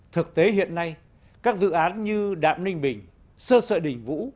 thực tế hiện nay các dự án như đạm ninh bình sơ sợ đỉnh vũ